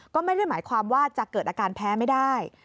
ก็ไม่ได้หมายความว่าจะเกิดอาการแพ้ไม่ได้